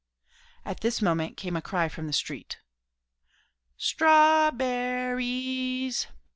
At this moment came a cry from the street "Straw berr_ees!